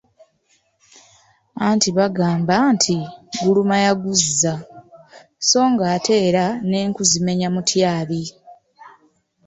Anti bagamba nti, "Guluma yaguzza, so ng'ate era n'enku zimenya mutyabi.